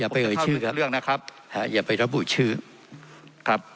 อย่าไปเอ่ยชื่อครับเรื่องนะครับฮะอย่าไปรับบุตรชื่อครับ